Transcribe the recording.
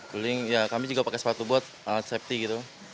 beling ya kami juga pakai sepatu buat safety gitu